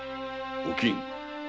おきん。